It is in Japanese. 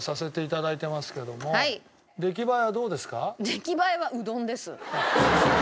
出来栄えはうどんです。